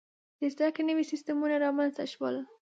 • د زده کړې نوي سیستمونه رامنځته شول.